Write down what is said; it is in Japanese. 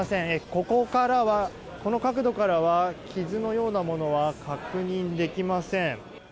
ここからは、この角度からは傷のようなものは確認できません。